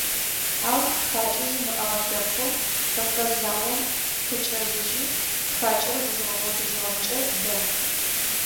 Ау тхакӏэ зимыӏэгъэ лъэпкъэу, Кавказ заом къыкӏэзыжьи, тхакӏэр зэзгъэгъотыжьыгъэмкӏэ – бэ.